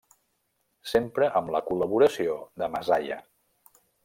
Sempre amb la col·laboració de Masaya.